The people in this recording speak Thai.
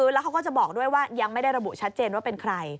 แล้วเขาก็จะบอกด้วยว่ายังไม่ได้ระบุชัดเจนว่าเป็นใคร